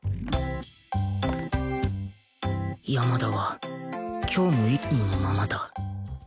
山田は今日もいつものままだ